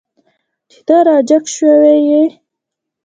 چې ته را جګ شوی یې.